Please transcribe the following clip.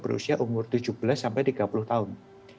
berusia umur tujuh belas sampai tiga puluh tahun